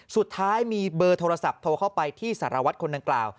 สุดท้ายมีเบอร์โทรศัพท์โทรเข้าไปที่สารวัตรคนดังกล่าว